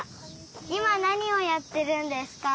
いまなにをやってるんですか？